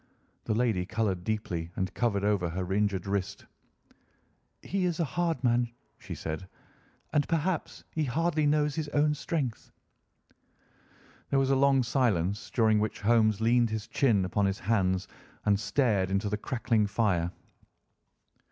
The lady coloured deeply and covered over her injured wrist. "He is a hard man," she said, "and perhaps he hardly knows his own strength." There was a long silence, during which Holmes leaned his chin upon his hands and stared into the crackling fire.